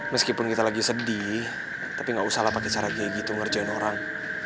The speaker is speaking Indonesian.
meskipun kita lagi sedih tapi gak usah lah pakai cara kayak gitu ngerjain orang